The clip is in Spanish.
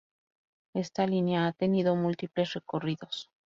Esta línea ha tenido múltiples recorridos.